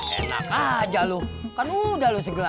enak aja loh kan udah loh segelas